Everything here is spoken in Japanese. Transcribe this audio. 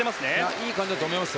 いい感じだと思います。